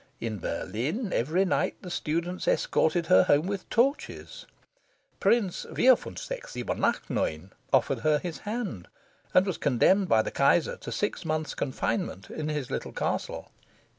In Berlin, every night, the students escorted her home with torches. Prince Vierfuenfsechs Siebenachtneun offered her his hand, and was condemned by the Kaiser to six months' confinement in his little castle.